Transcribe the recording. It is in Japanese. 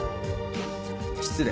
失礼。